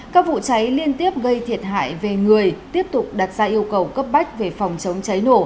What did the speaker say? các vụ cháy liên tiếp gây thiệt hại về người tiếp tục đặt ra yêu cầu cấp bách về phòng chống cháy nổ